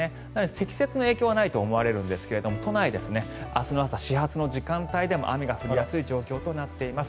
積雪の影響はないと思われるんですが都内、明日の朝始発の時間帯でも雨が降りやすい状況となっています。